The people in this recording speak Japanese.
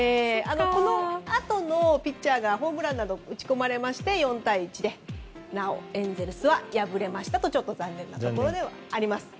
このあとのピッチャーがホームランを打ち込まれまして４対１でなお、エンゼルスは敗れましたとちょっと残念なところです。